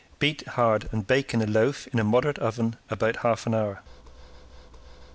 Beat hard and bake in a loaf in a moderate oven about half an hour.